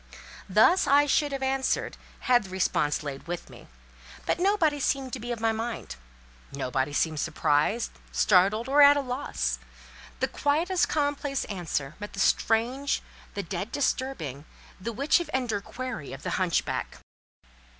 Thus I should have answered, had the response lain with me, but nobody seemed to be of my mind; nobody seemed surprised, startled, or at a loss. The quietest commonplace answer met the strange, the dead disturbing, the Witch of Endor query of the hunchback.